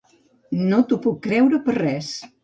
No t'ho puc creure per res.